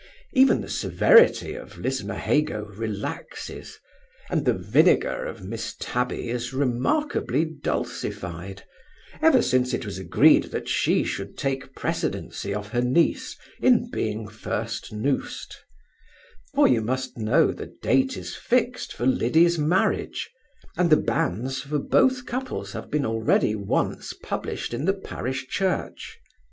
Even the severity of Lismahago relaxes, and the vinegar of Mrs Tabby is remarkably dulcified, ever since it was agreed that she should take precedency of her niece in being first noosed: for, you must know, the day is fixed for Liddy's marriage; and the banns for both couples have been already once published in the parish church.